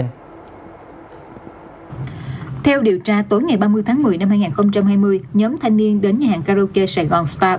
theo điều tra tối ngày ba mươi tháng một mươi năm hai nghìn hai mươi nhóm thanh niên đến nhà hàng karaoke saigon star